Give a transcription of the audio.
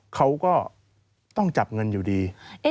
เขาก็ต้องจับเงินอยู่ดี